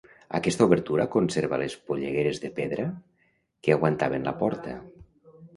Aquesta obertura conserva les pollegueres de pedra que aguantaven la porta.